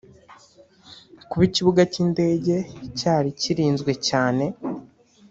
Kuba ikibuga cy’indege cyari kirinzwe cyane